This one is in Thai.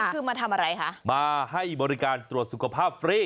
เป็นมาให้บริการตรวจสุขภาพฟรี